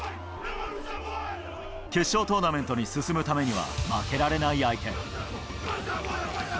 決勝トーナメントに進むためには負けられない相手。